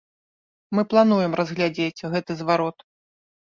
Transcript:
Мы плануем разгледзець гэты зварот.